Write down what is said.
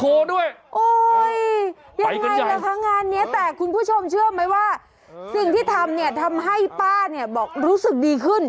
โอ้โหยังไงล่ะคะงานเนี้ยแต่คุณผู้ชมเชื่อไหมว่าสิ่งที่ทำเนี่ยทำให้ป้าเนี่ยบอกรู้สึกดีขึ้น